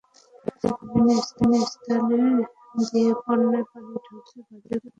বাঁধের বিভিন্ন স্থান দিয়ে বন্যার পানি ঢুকে পড়ছে বাঁধের পূর্ব পাশের বিলে।